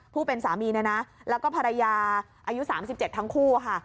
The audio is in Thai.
ผู้เป็นสามีนะแล้วก็ภรรยาอายุ๓๗ทั้งคู่ค่ะ